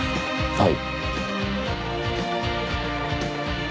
はい。